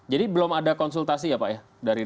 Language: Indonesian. jadi belum ada konsultasi ya pak ya